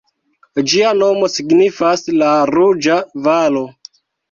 Ĝia nomo signifas "La Ruĝa Valo".